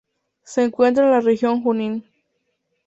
Se encuentra en la región Junín.